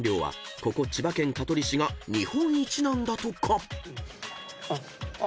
ここ千葉県香取市が日本一なんだとか］